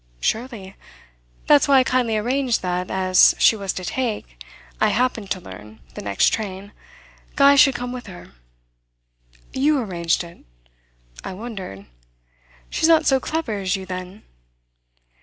"Surely. That's why I kindly arranged that, as she was to take, I happened to learn, the next train, Guy should come with her." "You arranged it?" I wondered. "She's not so clever as you then."